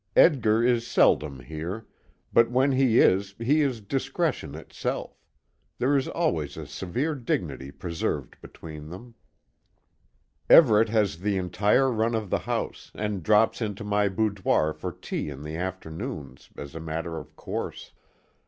Edgar is seldom here, but when he is, he is discretion itself. There is always a severe dignity preserved between them. Everet has the entire run of the house, and drops into my boudoir for tea in the afternoons, as a matter of course.